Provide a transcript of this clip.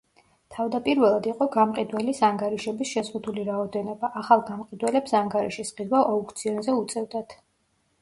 თავდაპირველად იყო გამყიდველის ანგარიშების შეზღუდული რაოდენობა, ახალ გამყიდველებს ანგარიშის ყიდვა აუქციონზე უწევდათ.